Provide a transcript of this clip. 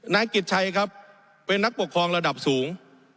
นายกิจชัยครับเป็นนักปกครองระดับสูง